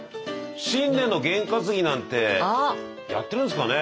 新年のゲンかつぎなんてやってるんですかねえ。